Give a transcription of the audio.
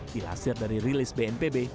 dilahir dari rilis bnpb